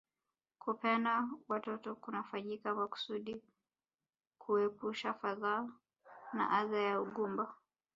Kupeana watoto kunafanyika makusudi kuepusha fadhaa na adha ya ugumba